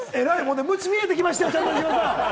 ムチが見えてきましたよ。